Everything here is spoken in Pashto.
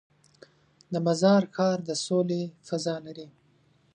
د مزار ښار د سولې فضا لري.